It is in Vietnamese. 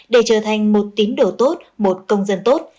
để trở thành một tín đồ tốt một công dân tốt